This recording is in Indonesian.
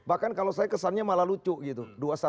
bahkan kalau saya kesannya malah lucu gitu